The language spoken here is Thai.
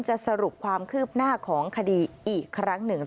สรุปความคืบหน้าของคดีอีกครั้งหนึ่ง